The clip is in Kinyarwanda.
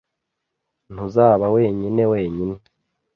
Ntuzaba wenyine wenyine.